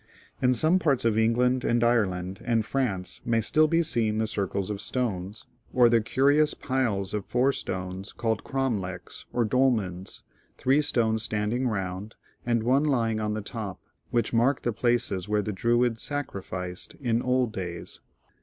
In some parts of Englajid and Ireland and France, we still see the circles of stones, or the curious piles of four stones, called cromlechs or dolmens, three stones standing round, and one lying on the top, which mark the places where the Druids sacrificed in old days.